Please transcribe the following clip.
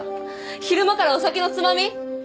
昼間からお酒のつまみ？